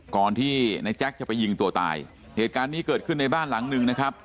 ก่อนที่ในแจ๊คจะไปยิงตัวตายเหตุการณ์นี้เกิดขึ้นในบ้านหลังหนึ่งนะครับ